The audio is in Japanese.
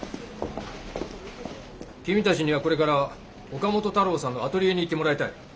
君たちにはこれから岡本太郎さんのアトリエに行ってもらいたい。